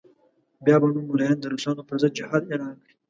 بیا به نو ملایان د روسانو پر ضد جهاد اعلان کړي.